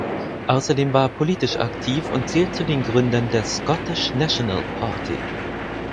Außerdem war er politisch aktiv und zählt zu den Gründern der Scottish National Party.